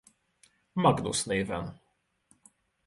Magnus néven.